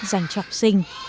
dành cho học sinh